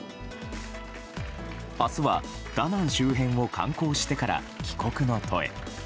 明日はダナン周辺を観光してから帰国の途へ。